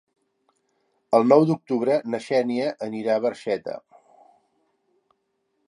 El nou d'octubre na Xènia anirà a Barxeta.